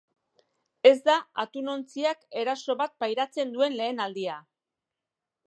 Ez da atunontziak eraso bat pairatzen duen lehen aldia.